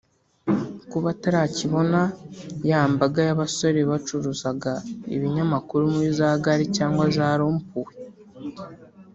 Kuba utakibona ya mbaga y’abasore bacuruzaga ibinyamakuru muri za gare cyangwa za rompuwe